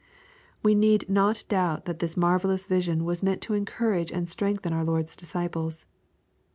We need not doubt that this marvellous vision was meant to encourage and strengthen our Lord's disciples.